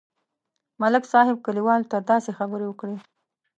ملک صاحب کلیوالو ته داسې خبرې وکړې.